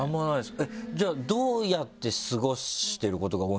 じゃあどうやって過ごしてることが多いんですか？